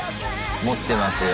持ってますよ